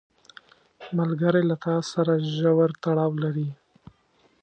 ملګری له تا سره ژور تړاو لري